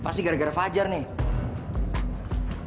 pasti gara gara fajar nih